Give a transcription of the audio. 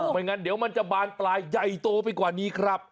ไม่งั้นเดี๋ยวมันจะบานปลายใหญ่โตไปกว่านี้ครับ